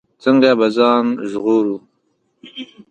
څنګه به ځان ژغورو.